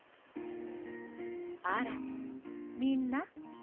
あらみんな。